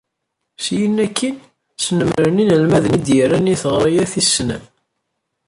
Syin akkin, snemmren inelmaden i d-yerran i teɣri-a tis-snat.